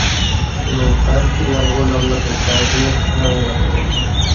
ئۇنىڭ ‹پەرىشتە يامغۇر› ناملىق ھېكايىسىنى ئەڭ ياقتۇرىمەن.